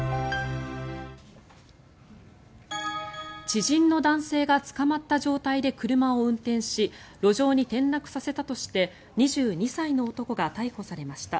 知人の男性がつかまった状態で車を運転し路上に転落させたとして２２歳の男が逮捕されました。